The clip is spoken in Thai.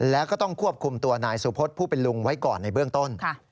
แล้วก็ต้องควบคุมตัวนายสุพธผู้เป็นลุงไว้ก่อนในเบื้องต้น